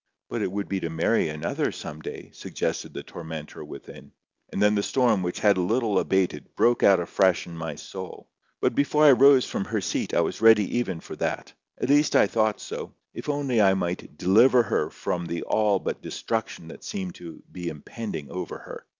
"But it would be to marry another some day," suggested the tormentor within. And then the storm, which had a little abated, broke out afresh in my soul. But before I rose from her seat I was ready even for that—at least I thought so—if only I might deliver her from the all but destruction that seemed to be impending over her.